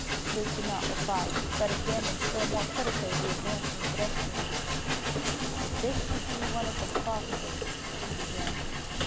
Luke did not reply, but examined still more critically the advancing pedestrian. "If this should be one of the Foxes " he began.